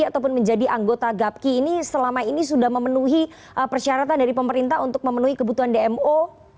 ataupun menjadi anggota gapki ini selama ini sudah memenuhi persyaratan dari pemerintah untuk memenuhi kebutuhan dmo